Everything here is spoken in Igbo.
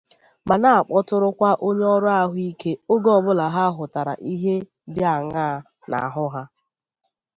ma na-akpọtụrụkwa onye ọrụ ahụike oge ọbụla ha hụtara ihe dị àñaa n'ahụ ha